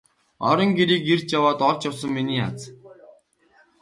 Орон гэрийг эрж яваад олж явсан миний аз.